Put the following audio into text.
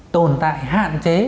tồn tại hạn chế